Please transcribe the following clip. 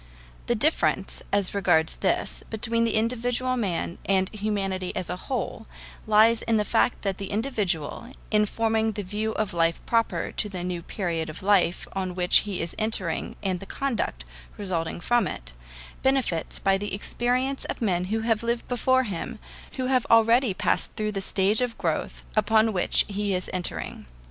The difference, as regards this, between the individual man and humanity as a whole, lies in the fact that the individual, in forming the view of life proper to the new period of life on which he is entering and the conduct resulting from it, benefits by the experience of men who have lived before him, who have already passed through the stage of growth upon which he is entering.